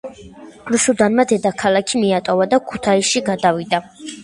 რუსუდანმა დედაქალაქი მიატოვა და ქუთაისში გადავიდა.